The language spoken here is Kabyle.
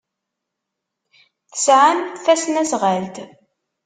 Tesɛamt tasnasɣalt?